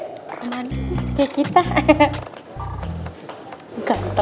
roman sekejap kita